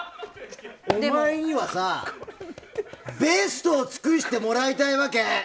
お前にはさ、ベストを尽くしてもらいたいわけ。